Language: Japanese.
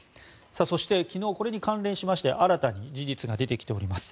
そして昨日、これに関連して新たに事実が出てきております。